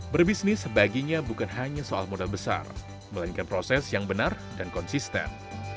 berbisnis baginya bukan hanya soal modal besar melainkan proses yang benar dan konsisten